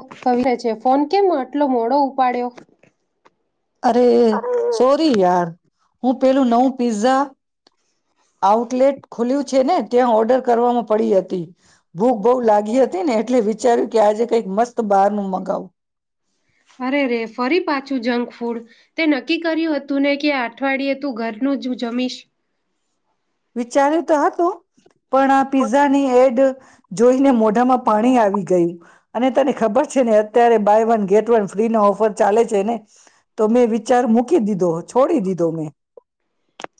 [unintelligible] છે ફોન કેમ આટલો મોડો પાડ્યો. અરે સોરી યાર હું પેલું નવું પિઝઝા આઉટલેટ ખુલ્યું છે ને ત્યાં ઓર્ડર કરવામાં પડી હતી. ભૂખ બહ લાગી હતી ને એટલે વિચાર્યું કે આજે કઈક મસ્ત બાર નું મગાવુ. અરે રે ફરી પાછું જંક ફૂડ તે નક્કી કર્યું હતું ને કે અઠવાડિયે તું ઘરનું જ જમીશ. વિચાર્યું ત પણ આ પીઝા ની એડ જોઈને મોઢામાં ધામાં પાણી આવી ગયું. અને તને ખબર છે ને અત્યારે બાય વન ગેટ વન ફ્રીનો ઓફર ચાલે છે ને તો મેં વિચાર મૂકી દીધો છોડી દીધો મેં.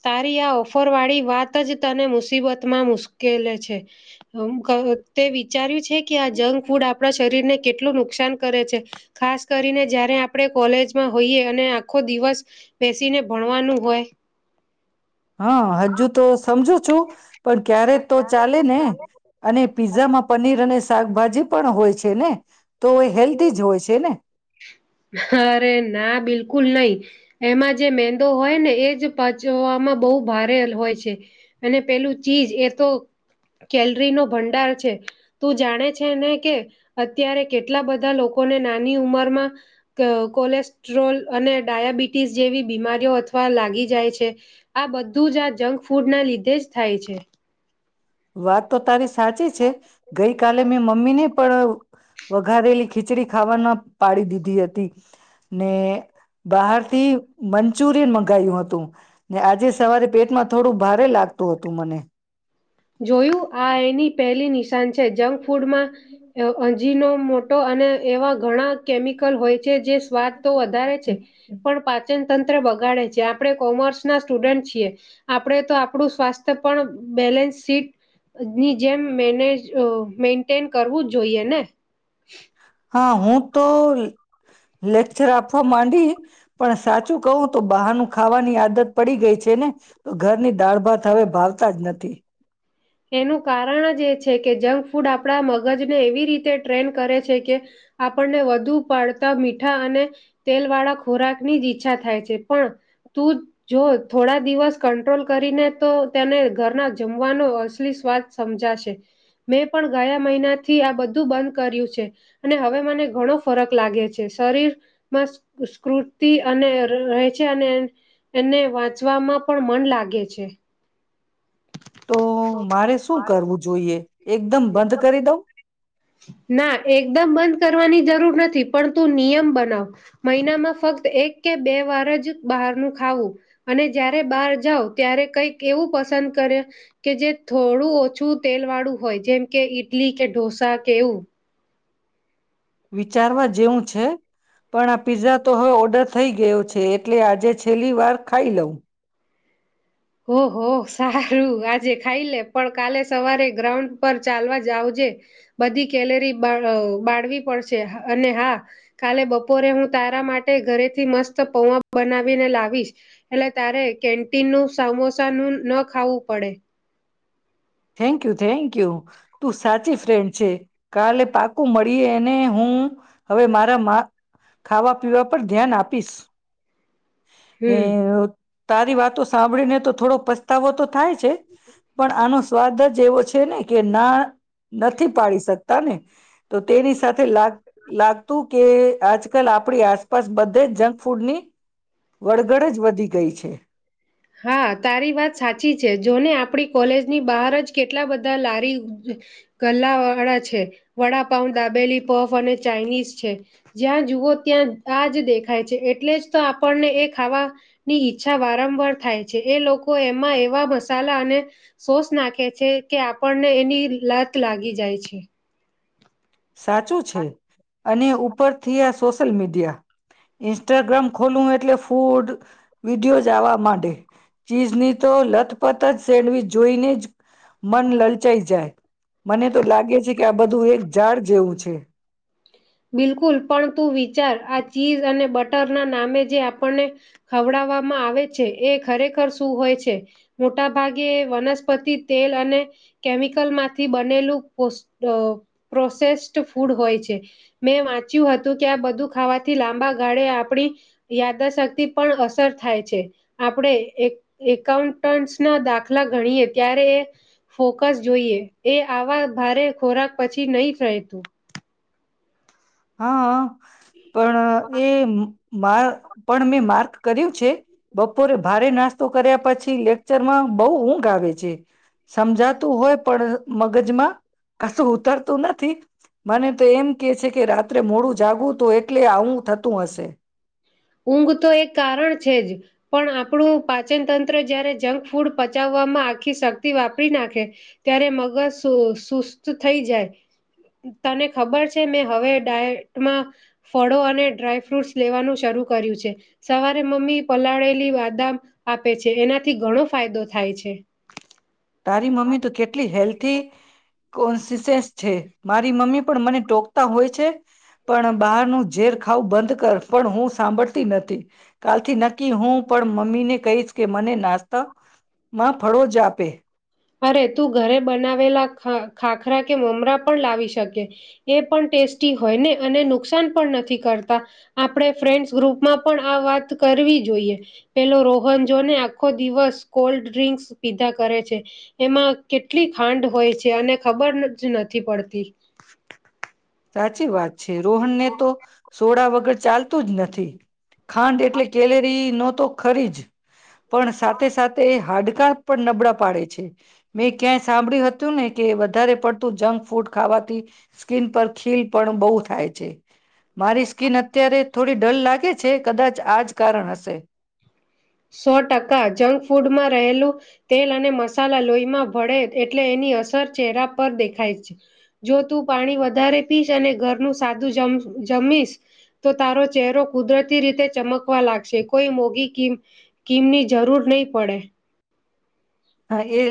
તારી આ ઓફર વાળી વાત જ તને મુસીબતમાં મુશ્કેલે છે અહ ક તે વિચાર્યું કે આ જંક ફૂડ આપણા શરીર ને કેટલું નુકસાન કરે છે, ખાસ કરીને જયારે આપણે કોલેજમાં હોઈએ અને આખો દિવસ બેસીને ભણવાનું હોય. હા હજુ તો સમજુ છું. પણ ક્યારે તો ચાલે ને, અને પીઝામાં પનીર અને... શાકભાજી પણ હોય છે ને, તો હેલ્ધી જ હોય છે ને. અરે ના બિલકુલ નહી. એમાં જે મેંદો હોય ને એ જ પચવામાં બહુ ભારે હોય છે. અને પેલું ચીજ એ તો કેલરીનો ભંડાર છે. તું જાણે છે ને કે અત્યારે કેટલા બધા લોકોને નાની ઉંમરમાં ક કોલેસ્ટ્રોલ અને ડાયાબિટીસ જેવી બીમારીઓ અથવા લાગી જાય છે, આ બધું જ આ જંક ફૂડના લીધે જ થાય છે. વાત તો તારી સાચી છે, ગઈ કાલે મેં મમ્મીને પણ વઘારેલી ખીચડી ખાવાના પાડી દીધી હતી, ને બહારથી મંચુરિયન મંગાયું હતું, ને આજે સવારે પેટમાં થોડું ભારે લાગતું હતું મને. જોયું આ એની પહેલી નિશ તાન છે. જંક ફૂડમાં અ અન જીનો મોટો અને એવા ઘણા કેમિકલ હોય... જે જે સ્વાદ તો વધારે છે. પણ પાચન... તંત્ર બગાડે છે, આપણે કોમર્સ ના સ્ટુડન્ટ છીએ, આપણે તો આપણું સ્વાસ્થ્ય પણ બેલેન્સ... સીટ ની જેમ મેનેજ અ મેન્ટેન કરવું જ જોઈએ ને. હા હું તો લેક્ચર આપવા માંડી, પણ સાચું કહું તો બહારનું ખાવાની આદત પડી ગઈ છે ને, તો ઘરની દાળ ભાત હવે ભાવતા જ નથી. એનું કારણ જ એ છે કે, જંક ફૂડ આપણા મગજને એવી રીતે ટ્રેન કરે છે કે આપણને વધુ પડતા મીઠા અને તેલ વાળા ખોરાક ની જ ઈચ્છા થાય છે, પણ તું જો થોડા દિવસ કંટ્રોલ કરીને તો તેને ઘરના જમવાનો સલી સ્વાદ સમજાશે મેં પણ ગયા મહિનાથી આ બધું બંધ કર્યું છે, અને હવે મને ઘણો ફરક લાગે છે, શરીરમાં સ્ફૂ સ્કૂર્તિ અને રહ રહે છે, અને એને વાંચવામાં પણ મન લાગે છે. તો મારે શું કરવું જોઈએ? એકદમ... બંધ કરી દઉં. ના એકદમ બંધ કરવાની જરૂર નથી, પણ તું નિયમ બનાવ મહિનામાં ફક્ત એક કે બે વાર જ બહારનું ખાવું, અને જયારે બહાર જાવ, ત્યારે કંઈક એવું પસંદ કરે કે જે થોડું ઓછું તેલ વાળું હોય જેમ કે ઈડલી કે ઢોસા... એવું. વિચારવા જેવું છે પણ આ પિઝા તો હવે ઓર્ડર થઈ ગયો છે, એટલે આજે છેલ્લી વાર ખાઈ લઉં. હોહ સારું આજે ખાઈ લે પણ કાલે સવારે ગ્રાઉન્ડ પર ચાલવા જાવજે, બધી કેલેરી બા બાળવી પડશે, અને હા કાલે બપોરે હું તારા માટે ઘરેથી મસ્ત પૌવા બનાવીને લાવીશ, એટલે તારે કેન્ટીનનું... સમોસાનું ન ખાવું પડે. થેન્કયુ થેન્કયુ તું સાચી ફ્રેન્ડ છે, કાલે પાકું મળીએ ને હું હવે મારા મા ખાવા પીવા પર ધ્યાન આપીશ. ને હમ તારી વાતો સાંભળીને... તો થોડો પસ્તાવો તો થાય છે. પણ આનો સ્વાદ જ એવો... છે ને કે ના નથી પાડી શકતા ને... તો તેની સાથે લાગ લાગતું કે... આજ કલ આપડી આસ બસ બધે જંક ફૂડની... વડગડ જ વધી ગઈ છે. એહ. હા તારી વાત સાચી છે જોને આપડી... કોલેજની બહાર જ કેટલા બધા લારી ગલ્લા વાળા છે, વડાપાઉ, દાબેલી, પફ અને ચાઇનીઝ છે, જ્યાં જુઓ ત્યાં આ જ દેખાય છે, એટલે જ તો આપણને એ ખાવાની ઈચ્છા વારંવાર... થાય છે, એ લોકો એમાં એવા મસાલા અને સોસ નાખે છે, કે આપણને એની લત લાગી જાય છ સાચું છે અને ઉપરથી આ સોશિલ મીડિયા ઇન્સ્ટાગ્રામ ખોલવું એટલે ફૂડ વિડીયો જ આવવા માંડે, ચીઝની તો લથપત જ સેન્ડવીચ જોઈને જ મન લલચાઈ જાય, મને તો લાગે છે કે આ બધું એક જાડ જેવું છે. બિલકુલ પણ તું વિચાર આ ચીઝ અને બટરના નામે જે આપણને ખવડાવવામાં આવે છે, એ ખરેખર શું હોય છે, મોટા ભાગે વનસ્પતિ તેલ અને કેમિકલમાંથી બનેલું પ્રોસ પ્રોસેસ્ડ ફૂડ હોય છે. મેં વાંચ્યું હતું કે આ બધું ખાવાથી લાંબા ગાળે આપણી યાદાશક્તિ પણ અસર થાય છે આપણે એકાઉન્ટ ના દાખલા ગણીએ ત્યારે એ ફોકસ જોઈએ એ આવા ભારે ખોરાક પછી નહી રહેતું. હા હ. પણ એ મા પણ મેં માર્ક કર્યું છે બપોરે ભારે નાસ્તો કર્યા પછી લેક્ચરમાં બહુ ઊંઘ આવે છે સમજાતું હોય પણ મગજમાં કશું ઉતરતું નથી મને તો એમ કે છે કે રા ત્રે મોડું જાગું હતું એટલે આવું થતું હશે. ઊંઘ તો એક કારણ છે જ પણ આપણું પાચન તંત્ર જયારે જંક ફૂડ પચાવવામાં આખી શક્તિ વાપરી નાખે ત્યારે મગજ સુસ્ત થઈ જાય તને ખબર છે મેં હવે ડાયટમાં ફળો અને ડ્રાયફ્રૂટ્સ લેવાનું શરૂ કર્યું છે સવારે મમ્મી પલાળેલી બાદામ આપે છે એનાથી ઘણો ફાયદો થાય છે. તારી મમ્મી તો કેટલી હેલ્થ થી કોન્શિસ છે મારી મમ્મી પણ મને ટોકતા હોય છે પણ બહારનું ઝેર ખાવું બંધ કર પણ હું સાંભળતી નથી કાલથી નક્કી હું પણ મમ્મી ને કહીશ કે મને નાસ્તા માં ફળોજ આપે. અરે તું ઘરે બનાવેલા ખાખાખરા કે મમરા પણ લાવી શકી એ પણ ટેસ્ટી હોય ને અને નુકસાન પણ નથી કરતા આપણે ફ્રેન્ડસ ગ્રુપમાં પણ આ વાત કરવી જોઈએ પેલો રોહન જોને આખો દિવસ કોલ્ડ ડ્રિંક્સ પીધા કરે છે. એમાં કેટલી ખાંડ હોય છે અને ખબર જ નથી પડતી. સાચી વાત છે રોહન ને તો સોડા વગર આગળ ચાલતું જ નથી. ખાંડ એટલે કેલેરી ન તો ખરી જ પણ સાથે સાથે હાડકા પણ નબળા પાડે છે મેં ક્યાંય સાંભળ્યું હતું ને કે વધારે પડતું જંક ફૂડ ખાવાથી સ્કીન પર ખીલ પણ બહુ થાય છે. મારી સ્કીિન અત્યારે થોડી ડલ લાગે છે કદાચ આ જ કારણ હશે. સો ટકા જંક ફૂડમાં રહેલું તેલ અને મસાલા લોહીમાં ભળે એટલે એની અસર ચહેરા પર દેખાય છે જો તું પાણી વધારે પીશ અને ઘરનું સાદું જ જમીશ તો તારો ચહેરો કુદરતી રીતે ચમકવા લાગશે કોઈ મોગી ક કિમની જરૂર નહી પડે. હા એ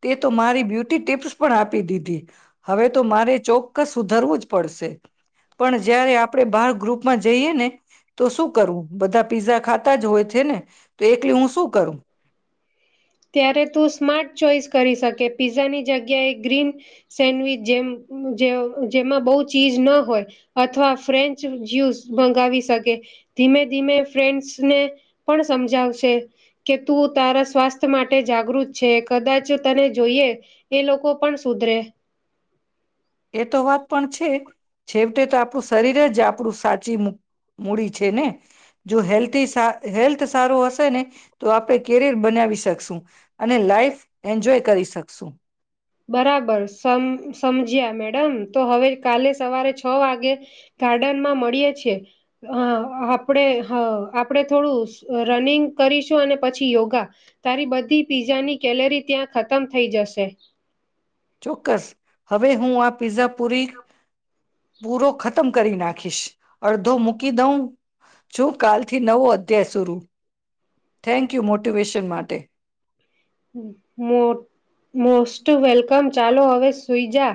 તે તો મારી બ્યુટી ટીપ્સ પણ આપી દીધી હવે તો મારે ચોક્કસ સુધરવું જ પડશે પણ જયારે આપણે બાર ગ્રુપમાં જઈએ ને તો શું કરવું બધા પીઝા ખાતા જ હોય છે ને તો એલી હું શું કરું. ત્યારે તું સ્માર્ટ ચોઈસ કરી શકે પીઝાની જગ્યાએ ગ્રીન સેન્ડવીચ જેમ જેમાં બહુ ચીજ ન હોય અથવા ફ્રેન્ચ જ્યુસ મંગાવી શકે ધીમે ધીમે ફ્રેન્ચને પણ સમજાવશે કે તું તારા સ્વાસ્થ માટે જાગૃત છે કદાચ તને જોઈએ એ લોકો પણ સુધરે. એ તો વાત પણ છે છેવટે તો આપણું શરીર જ આપણું સાચી મૂડી છે ને જો હેલ્થી હેલ્થ સારું હશે ને તો આપણે કેરિયર બનાવી શકશું અને લાાઈફ એન્જોય કરી શકશું. બરાબર સમ સમજ્યા મેડમ તો હવે કાલે સવારે છ વાગે ગાર્ડનમાં મળીએ છીએ આપણે આપણે થોડું રનિંગ કરીશું અને પછી યોગા તારી બધી પીઝાની કેલરી ત્યાં ખતમ થઈ જશે. ચોક્કસ હવે હું આ પિઝા પુરી પૂરો ખતમ કરી નાખીશ અડધો મૂકી દઉં જો કાલ થી નવો તે્યા સુરૂ થેન્ક યુ મોટિવેશન માટે. મોટ મોસ્ટ વેલકમ. ચાલો હવે સુઈ જા.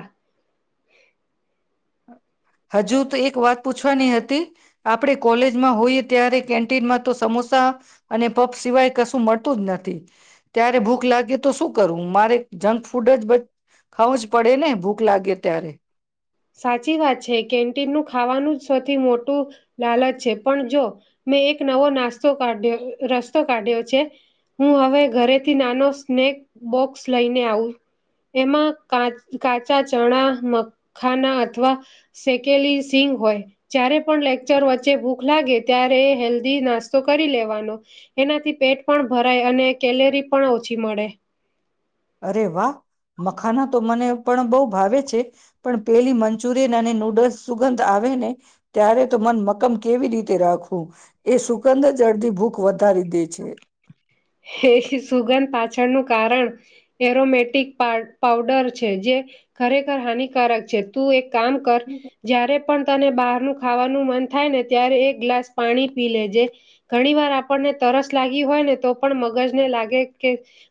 હજુ તો એક વાત પૂછવાની હતી આપણે કોલેજમાં હોઈએ ત્યારે કેન્ટીનમાં તો સમોસા અને પપ સિવાય કશું મળતું જ નથી ત્યારે ભૂખ લાગે તો શું કરવું મારે જંક ફૂડ જ ખાવું જ પડે ને ભૂખ લાગે ત્યારે. સાચી વાત છે કેન્ટીનનું ખાવાનું જ સૌથી મોટું લાલચ છે પણ જો મેં એક નવો નાસ્તો કાઢ્યો રસ્તો કાઢ્યો છે હું હવે ઘરેથી નાનો સ્નેક બોક્સ લઈને આવું એમાં કા કાચા ચણા ખાના અથવા સેકેલી સિંગ હોય જ્યારે પણ લેક્ચર વચ્ચે ભૂખ લાગે ત્યારે હેલ્ધી નાસ્તો કરી લેવાનો એનાથી પેટ પણ ભરાય અને કેલેરી પણ ઓછી મળે. અરે વાહ મખાના તો મને પણ બહુ ભાવે છે પણ પેલી મંચુરિયન અને નૂડલ્સ સુગંધ આવે ને ત્યારે તો મન મક્કમ કેવી રીતે રાખવું એ સુગંધ જ અડધી ભૂખ વધારી દે છે. એ સુગંધ પાછળનું કારણ એરોમેટિક પઉડર છે જે ખરેખર હાનિકારક છે તું એક કામ કર જ્યારે પણ તને બહારનું ખાવાનું મન થાય ને ત્યારે એક ગ્લાસ પાણી પી લેજે ઘણી વાર આપણને તરસ લાગી હોય ને તો પણ મગજને લાગે કે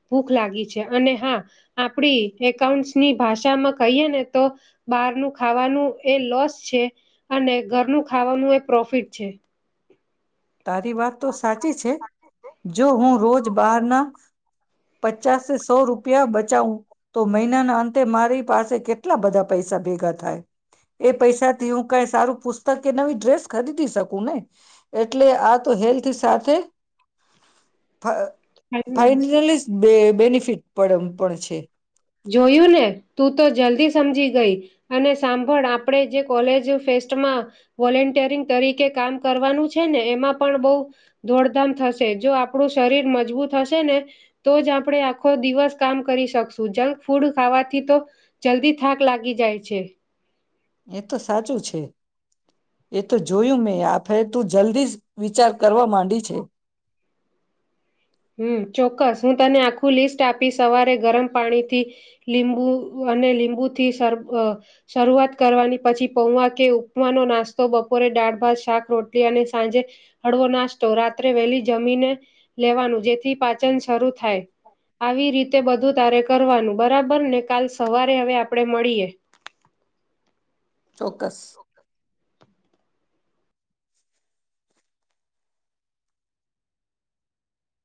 ભૂખ લાગી છે અને હા આપડી એકાઉન્ટની ભાષામાં કહીએ ને તો બહારનું ખાવાનું એ લોસ છે અને ઘરનું ખાવાનું એ પ્રોફિટ છે. તારી વાત તો સાચી છે જો હું રોજ બાર ના પચાસ સો રૂપિયા બચાવું તો મહિનાના અંતે મારી પાસે કેટલા બધા પૈસા ભેગા થાય એ પૈસા થી હું કઈ સારું પુસ્તક કે નવી ડ્રેસ ખરીદી શકું ને. એટલે આ તો હેલ્થ સાથે ફ ફાઈનાન્સ ફેનલિસ્ટ બે બેનિફિટ પડ પણ છે જોયું ને તું તો જલ્દી સમજી ગઈ અને સાંભળ આપણેે જે કોલેજ ફેસ્ટમાં વોલન્ટિયરિંગ તરીકે કામ કરવાનું છે ને એમાં પણ બઉ દોડધામ થશે જો આપણું શરીર મજબૂત હશે ને તો જ આપણે આખો દિવસ કામ કરી શકશું સુ જંક ફૂડ ખાવાથી તો જલ્દી થાક લાગી જાય છે એ તો સાચું છે એ તો જોયું મેં આપ ફે તું જલ્દી જ વિચાર કરવા માંડી છે હમ્મ ચોક્કસ હું તને આખું લિસ્ટ આપી સવારે ગરમ પાણી થી લીબુ અને લીંબુથી શરૂ અ શરૂઆત કરવાની પછી પૌવા કે ઉપમાનો નાસ્તો બપોરે દાળ ભાત શાક રોટલી અને સાંજે હળવો નાસ્તો રાત્રે વહેલી જમીને લેવાનું જેથી પાચન શરૂ થાય આવી રીતે બધું તારે કરવાનું બરાબર ને કાલ સવારે હવે આપણે મળીએ ચોક્સ